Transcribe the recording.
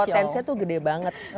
potensinya tuh gede banget